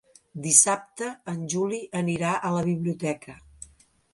Dissabte en Juli anirà a la biblioteca.